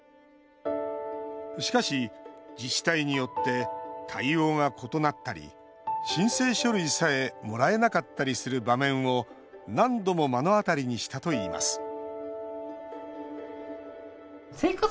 しかし、自治体によって対応が異なったり申請書類さえもらえなかったりする場面を何度も目の当たりにしたといいます